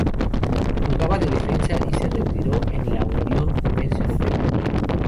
Jugaba de defensa y se retiró en el Unión Comercio de Perú.